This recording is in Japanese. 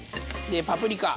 でパプリカ。